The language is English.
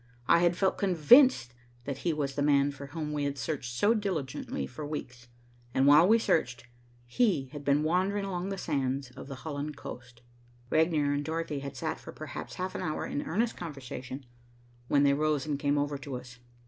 I had felt convinced that he was the man for whom we had searched so diligently for weeks. And while we searched, he had been wandering along the sands of the Holland coast. Regnier and Dorothy had sat for perhaps half an hour in earnest conversation, when they rose and came over to us.